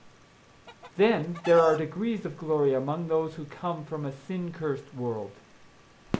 Then there are degrees of glory among those who come from a sin cursed world.